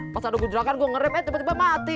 pas ada gunjakan gue ngeremp eh cepet cepet mati